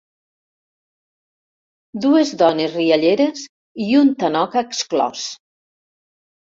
Dues dones rialleres i un tanoca exclòs.